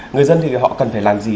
người dân thì họ cần phải làm gì